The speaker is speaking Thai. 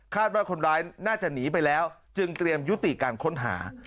ว่าคนร้ายน่าจะหนีไปแล้วจึงเตรียมยุติการค้นหา